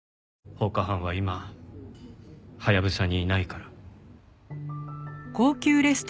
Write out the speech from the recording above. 放火犯は今ハヤブサにいないから。